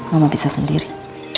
mama bisa sendiri